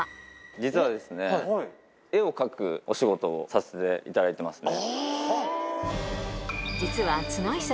実は、絵を描くお仕事をさせていただいていますね。